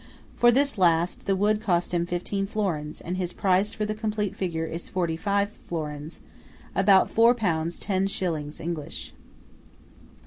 For this last, the wood costs fifteen florins, and his price for the complete figure is forty five florins; about four pounds ten shillings English.